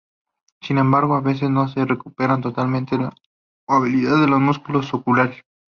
Sin embargo a veces no se recupera totalmente la movilidad de los músculos oculares.